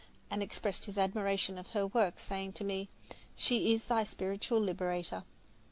"] and expressed his admiration of her work, saying to me, "She is thy spiritual liberator."